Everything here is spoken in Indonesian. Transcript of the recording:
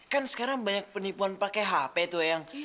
kan sekarang banyak penipuan pakai hp tuh